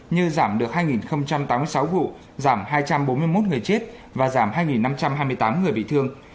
như giảm được hai tám mươi sáu vụ giảm hai trăm bốn mươi một người chết và giảm hai năm trăm hai mươi tám người bị thương